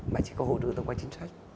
mà chỉ có hỗ trợ thông qua chính sách